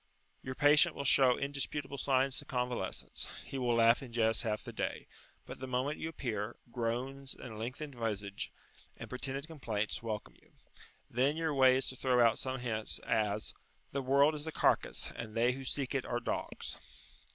Your patient will show indisputable signs of convalescence: he will laugh and jest half the day; but the moment you appear, groans and a lengthened visage, and pretended complaints, welcome you. Then your way is to throw out some such hint as "The world is a carcass, and they who seek it are dogs."